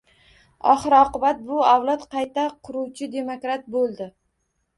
Oxir-oqibat, bu avlod... qayta quruvchi demokrat bo‘ldi.